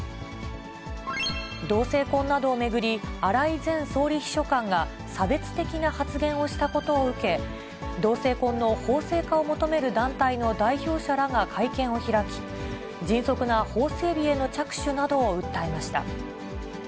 同性婚などを巡り、荒井前総理秘書官が差別的な発言をしたことを受け、同性婚の法制化を求める団体の代表者らが会見を開き、迅速な法整備への着手などを訴えました。